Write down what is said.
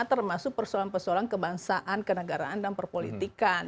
termasuk persoalan persoalan kebangsaan kenegaraan dan perpolitikan